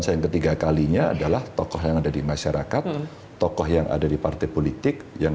yang ketiga kalinya adalah tokoh yang ada di masyarakat tokoh yang ada di partai politik yang